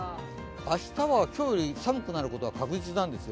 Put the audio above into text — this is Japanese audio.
明日は今日より寒くなることは確実なんですよ。